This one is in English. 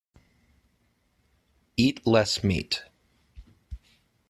Eat less meat.